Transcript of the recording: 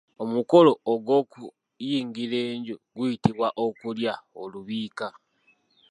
Omukolo ogw’okuyingira enju guyitibwa Okulya olubiika.